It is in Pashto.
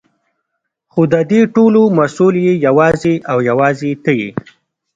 خو ددې ټولو مسؤل يې يوازې او يوازې ته يې.